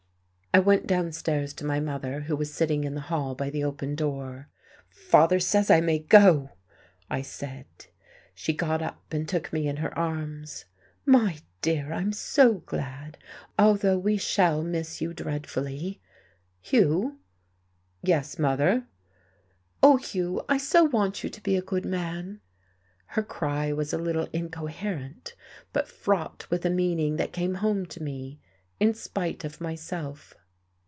I went downstairs to my mother, who was sitting in the hall by the open door. "Father says I may go!" I said. She got up and took me in her arms. "My dear, I am so glad, although we shall miss you dreadfully.... Hugh?" "Yes, mother." "Oh, Hugh, I so want you to be a good man!" Her cry was a little incoherent, but fraught with a meaning that came home to me, in spite of myself....